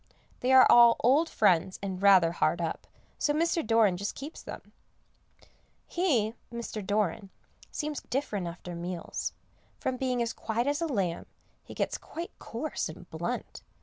They are all old friends, and rather hard up, so Mr. Doran just keeps them. He Mr. Doran seems different after meals; from being as quiet as a lamb, he gets quite coarse and blunt.